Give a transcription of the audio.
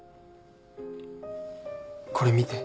これ見て。